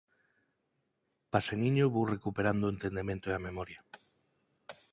Paseniño, vou recuperando o entendemento e a memoria.